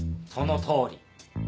そのとおり。